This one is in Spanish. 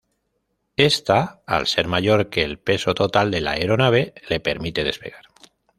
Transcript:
Esta, al ser mayor que el peso total de la aeronave, le permite despegar.